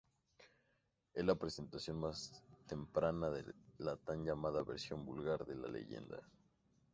Es la representación más temprana de la tan llamada versión "vulgar" de la leyenda.